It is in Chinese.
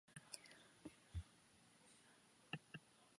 繁缕虎耳草为虎耳草科虎耳草属下的一个种。